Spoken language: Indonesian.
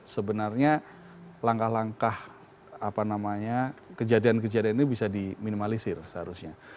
sebenarnya langkah langkah apa namanya kejadian kejadian ini bisa diminimalisir seharusnya